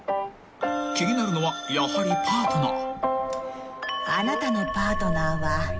［気になるのはやはりパートナー］